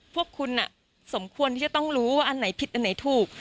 พวกคุณสมควรที่จะต้องรู้ว่าอันไหนผิดอันไหนถูก